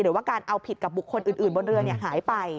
หรือว่าการเอาผิดกับบุคคลอื่นบนเรือหายไป